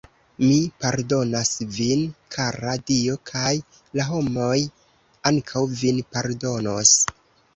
Mi pardonas vin, kara; Dio kaj la homoj ankaŭ vin pardonos.